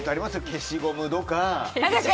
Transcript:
消しゴムとか。